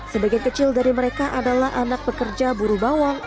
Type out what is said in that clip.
sebagian kecil dari mereka adalah anak pekerja buruh bawang